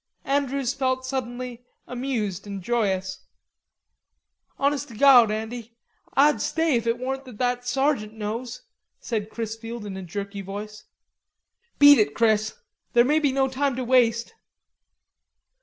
Andrews felt suddenly amused and joyous. "Honest to gawd, Andy, Ah'd stay if it warn't that that sergeant knows," said Chrisfield in a jerky voice. "Beat it, Chris. There may be no time to waste."